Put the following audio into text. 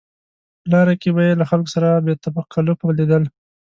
په لاره کې به یې له خلکو سره بې تکلفه لیدل.